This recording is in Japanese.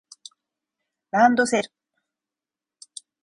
ランドセル